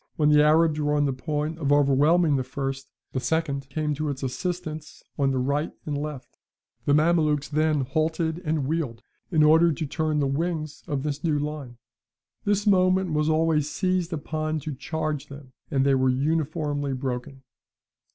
When the Arabs were on the point of overwhelming the first, the second came to its assistance on the right and left; the Mamelukes then halted and wheeled, in order to turn the wings of this new line; this moment was always seized upon to charge them, and they were uniformly broken."